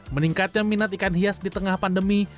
meningkatnya minat ikan hias di tengah pandemi